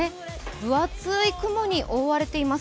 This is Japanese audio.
分厚い雲に覆われています。